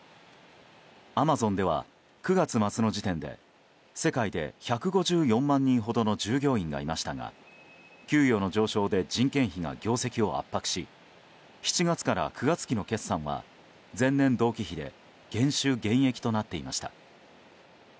アマゾンでは９月末の時点で世界で１５４万人ほどの従業員がいましたが給与の上昇で人件費が業績を圧迫し７月から９月期の決算は前年同期比で減収減益となっていました。